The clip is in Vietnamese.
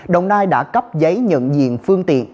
đồng nai đã cấp giấy nhận diện phương tiện